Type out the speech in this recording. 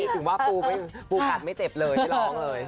ถึงว่าปูกัดไม่เจ็บเลยไม่ร้องเลย